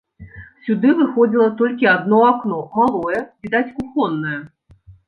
Сюды выходзіла толькі адно акно, малое, відаць, кухоннае.